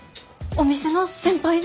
お店の先輩で。